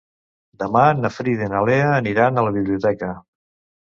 Demà na Frida i na Lea aniran a la biblioteca.